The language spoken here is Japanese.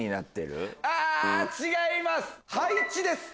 違います。